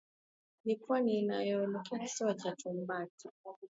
Ni pwani inayoelekea kisiwa cha Tumbata